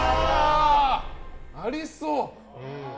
ありそう。